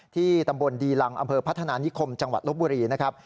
ที่ตำบลดีลังอำเภอพัฒนานิคมจังหวัดลบบุรีนะครับ